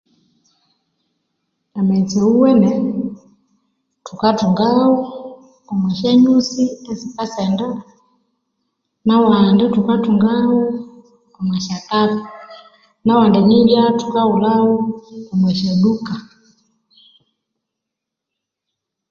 Amaghetse awuwene thukathungawo omwa sya nyusi esikasenda, nawandi thukathungawo omwa sya tapu, nawandi nibya thukaghulhawo omwa sya duka.